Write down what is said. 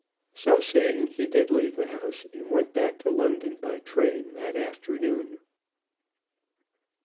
So saying he did leave the house, and went back to London by train that afternoon.